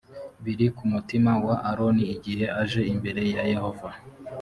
biri ku mutima wa aroni igihe aje imbere ya yehova